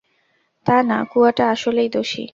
তা না, কুয়াটা আসলেই দোষী।